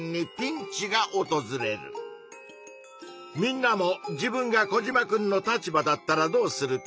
みんなも自分がコジマくんの立場だったらどうするか。